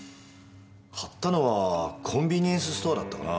買ったのはコンビニエンスストアだったかなぁ。